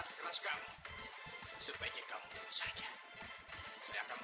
ini kuncinya terima kasih sayang